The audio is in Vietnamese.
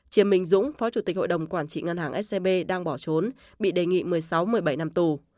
chiêm minh dũng phó chủ tịch hội đồng quản trị ngân hàng scb đang bỏ trốn bị đề nghị một mươi sáu một mươi bảy năm tù